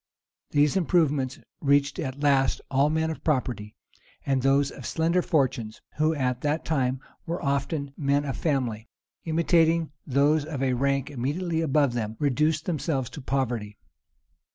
These improvements reached at last all men of property; and those of slender fortunes, who at that time were often men of family, imitating those of a rank immediately above them, reduced themselves to poverty.